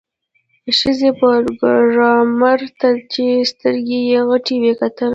ښځې پروګرامر ته چې سترګې یې غټې وې وکتل